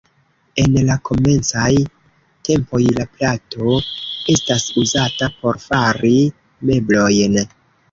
En la komencaj tempoj la plato estas uzata por fari meblojn.